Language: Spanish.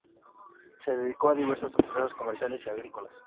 Se dedicó a diversas empresas comerciales y agrícolas.